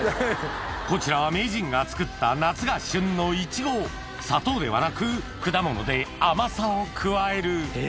こちらは名人が作った夏が旬のイチゴ砂糖ではなく果物で甘さを加えるえ？